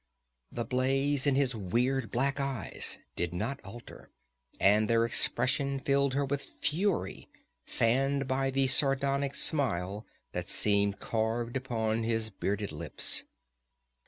The blaze in his weird black eyes did not alter, and their expression filled her with fury, fanned by the sardonic smile that seemed carved upon his bearded lips.